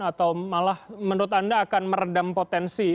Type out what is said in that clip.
atau malah menurut anda akan meredam potensi